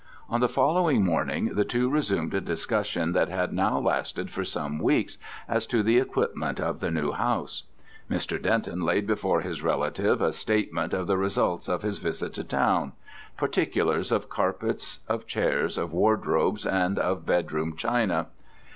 On the following morning the two resumed a discussion that had now lasted for some weeks as to the equipment of the new house. Mr. Denton laid before his relative a statement of the results of his visit to town particulars of carpets, of chairs, of wardrobes, and of bedroom china.